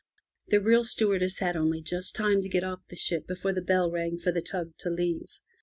The real stewardess had only just time to get off the ship before the bell rang for the tug to leave.